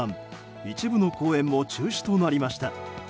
一部の公演も中止となりました。